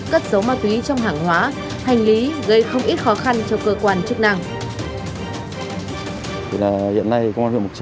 cất dấu ma túy trong hàng hóa hành lý gây không ít khó khăn cho cơ quan chức năng